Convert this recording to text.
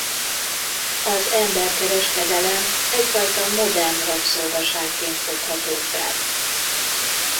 Az emberkereskedelem egyfajta modern rabszolgaságként fogható fel.